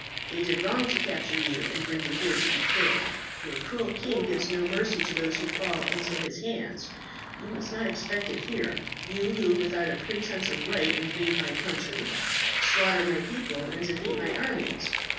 They did wrong to capture you and bring you here to be killed. Your cruel king gives no mercy to those who fall into his hands. You must not expect it here, you who without a pretence of right invade my country, slaughter my people, and defeat my armies.